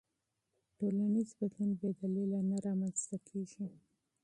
ټولنیز بدلون بې دلیله نه رامنځته کېږي.